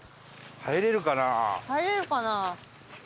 入れるかな？